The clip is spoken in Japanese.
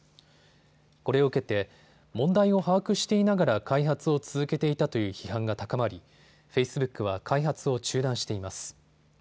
これを受けて問題を把握していながら開発を続けていたという批判が高まりフェイスブックは開発を中断しています。